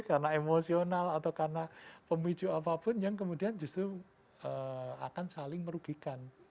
karena emosional atau karena pemicu apapun yang kemudian justru akan saling merugikan